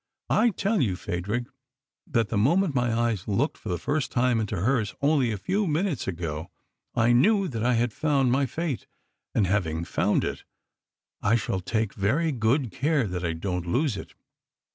I tell you, Phadrig, that the moment my eyes looked for the first time into hers, only a few minutes ago, I knew that I had found my fate, and, having found it, I shall take very good care that I don't lose it.